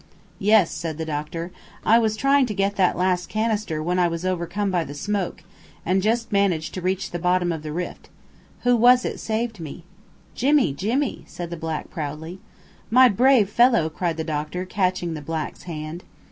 "Yes," said the doctor. "I was trying to get that last canister when I was overcome by the smoke, and just managed to reach the bottom of the rift. Who was it saved me?" "Jimmy Jimmy!" said the black proudly. "My brave fellow!" cried the doctor, catching the black's hand.